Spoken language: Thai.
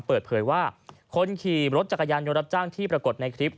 เปิดเผยว่าคนขี่รถจักรยานยนต์รับจ้างที่ปรากฏในคลิป